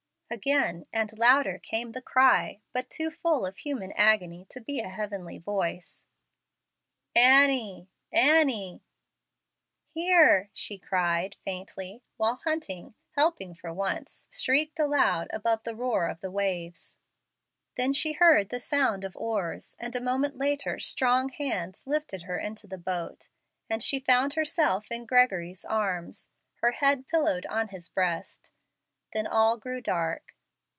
Again and louder came the cry, but too full of human agony to be a heavenly voice "Annie! Annie!" "Here!" she cried, faintly, while Hunting, helpful for once, shrieked aloud above the roar of the waves. Then she heard the sound of oars, and a moment later strong hands lifted her into the boat, and she found herself in Gregory's arms, her head pillowed on his breast. Then all grew dark.